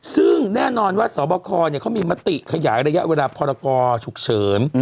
ซึ่งแน่นอนว่าสบคเขามีมติขยายระยะเวลาพรกรฉุกเฉิน